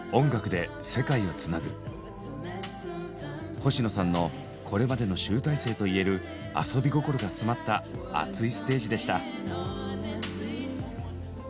星野さんのこれまでの集大成といえる「アソビゴコロ」が詰まった熱いステージでした。